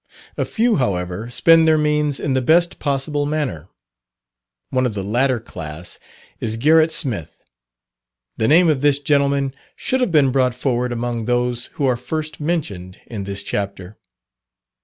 A few, however, spend their means in the best possible manner: one of the latter class is Gerrit Smith. The name of this gentleman should have been brought forward among those who are first mentioned in this chapter.